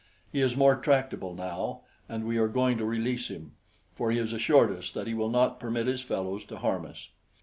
He is more tractable now, and we are going to release him, for he has assured us that he will not permit his fellows to harm us.